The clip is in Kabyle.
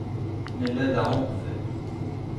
Nella da uqbel.